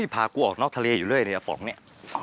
โอ้ยพาก่อก็ออกนอกทะเลอยู่เลยอันนี้